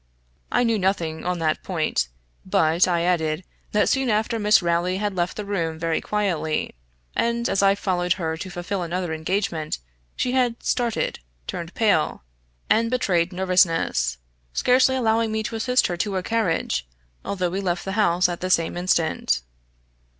I knew nothing on that point. But, I added, that soon after Miss Rowley had left the room very quietly; and as I followed her to fulfill another engagement, she had started, turned pale, and betrayed much nervousness, scarcely allowing me to assist her to her carriage, although we left the house at the same instant.